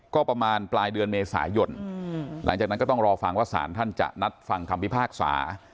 ก็ประมาณปลายเดือนเมษายนหลังจากนั้นก็ต้องรอฟังว่าสารท่านจะนัดฟังคำพิพากษา